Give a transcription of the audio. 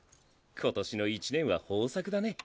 今年の一年は豊作だね。